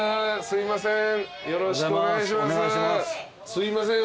すいません。